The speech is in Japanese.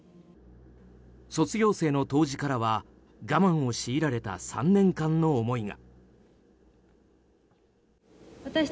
卒業式の答辞からは我慢を強いられた３年間の思いが。